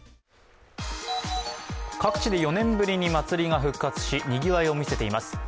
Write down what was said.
各地で４年ぶりに祭りが復活し、にぎわいを見せています。